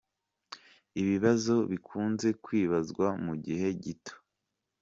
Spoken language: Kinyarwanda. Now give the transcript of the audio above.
Ibibazo bikunze kwibazwa mugihe gito